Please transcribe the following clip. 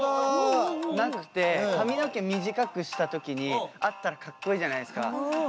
なくて髪の毛短くした時にあったらかっこいいじゃないですか。